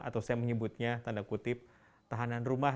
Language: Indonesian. atau saya menyebutnya tanda kutip tahanan rumah